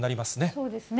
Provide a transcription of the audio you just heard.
そうですね。